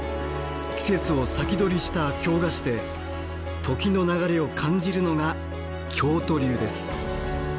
季節を先取りした京菓子で時の流れを感じるのが京都流です。